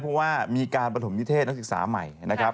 เพราะว่ามีการประ๘๖๓นักศึกษามัยนะครับ